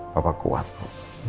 papa kuat pak